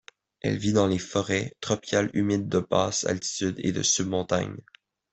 Elle vit dans les forêts tropicales humides de basse altitude et de sub-montagne.